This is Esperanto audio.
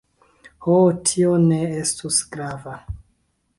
Ho, tio ne estus grava!